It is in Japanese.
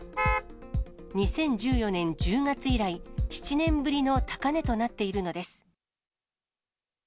２０１４年１０月以来、７年ぶりの高値となっているのです。